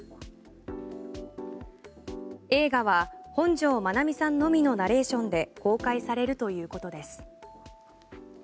映画は本上まなみさんのみのナレーションで公開されるということです。